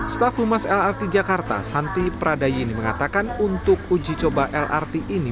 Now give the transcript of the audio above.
staf humas lrt jakarta santi pradayini mengatakan untuk uji coba lrt ini